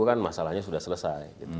kan masalahnya sudah selesai